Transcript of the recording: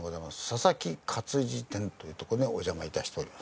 佐々木活字店という所にお邪魔致しております。